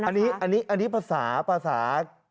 อันนี้อันนี้อันนี้ภาษาภาษา